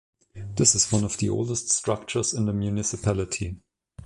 This is one of the oldest structures in the municipality.